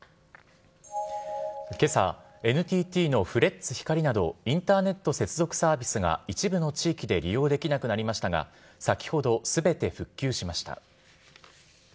けさ、ＮＴＴのフレッツ光などインターネット接続サービスが一部の地域で利用できなくなりましたが、先ほど、すべて復旧しました。